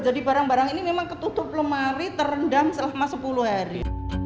jadi barang barang ini memang ketutup lemari terendam selama sepuluh hari